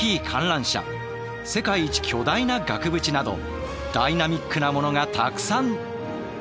世界一巨大な額縁などダイナミックなものがたくさん！